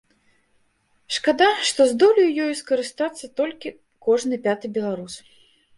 Шкада, што здолеў ёю скарыстацца толькі кожны пяты беларус.